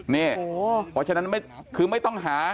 เพราะฉะนั้นคือไม่ต้องหา